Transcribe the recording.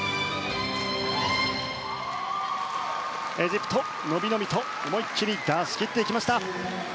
エジプト、伸び伸びと思い切り出し切っていきました。